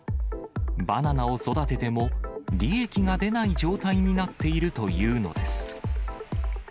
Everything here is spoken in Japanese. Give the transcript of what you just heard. バナナを育てても、利益が出ない状態になっているというのです。